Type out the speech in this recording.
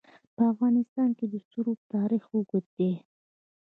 په افغانستان کې د رسوب تاریخ اوږد دی.